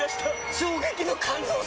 衝撃の感動作！